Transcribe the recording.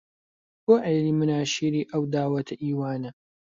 بۆ عێلی مناشیری ئەو داوەتە ئی وانە